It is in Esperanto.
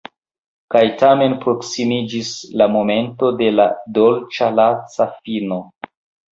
Kaj tamen proksimiĝis la momento de la dolĉa laca fino.